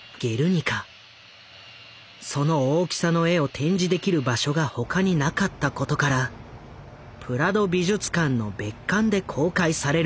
その大きさの絵を展示できる場所が他になかったことからプラド美術館の別館で公開されることになる。